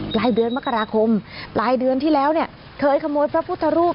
ปลายเดือนมกราคมปลายเดือนที่แล้วเนี่ยเคยขโมยพระพุทธรูป